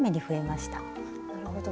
なるほど。